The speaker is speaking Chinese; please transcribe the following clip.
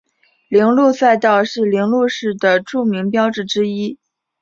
铃鹿赛道是铃鹿市的著名标志之一。